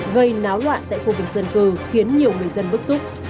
gây náo loạn tại khu vực dân cư khiến nhiều người dân bức xúc